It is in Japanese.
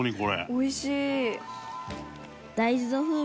おいしい！